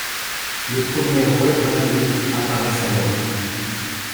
Les premières webradio apparaissent alors.